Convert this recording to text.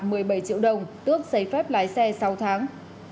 nữ tài xế đã bị xử phạt tước xây phép lái xe sau tháng